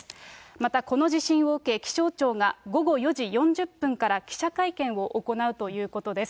また、この地震を受け、気象庁が午後４時４０分から記者会見を行うということです。